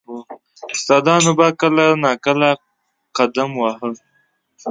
• استادانو به کله نا کله قدم واهه.